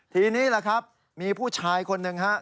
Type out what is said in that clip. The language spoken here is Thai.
ทีนี้แหละครับมีผู้ชายคนหนึ่งครับ